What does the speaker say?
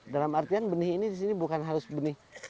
dalam artian benih ini di sini bukan harus benih